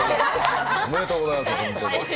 おめでとうございます。